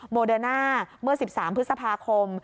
โมเดอร์น่าเมื่อ๑๓พฤษภาคม